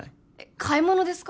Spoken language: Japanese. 買い物ですか？